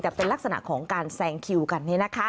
แต่เป็นลักษณะของการแซงคิวกัน